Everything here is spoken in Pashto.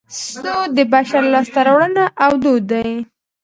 سود د بشر لاسته راوړنه او دود دی